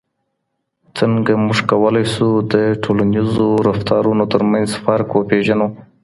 څنګه موږ کولای سو د ټولنیزو رفتارونو ترمنځ فرق وپیژنو؟